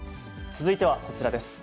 続いてはこちらです。